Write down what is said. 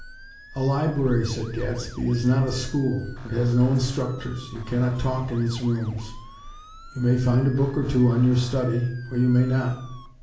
"A library," said Gadsby, "is not a school. It has no instructors; you cannot talk in its rooms. You may find a book or two on your study, or you may not.